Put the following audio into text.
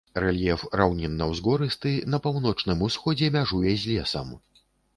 Рэльеф раўнінна-ўзгорысты, на паўночным усходзе мяжуе з лесам.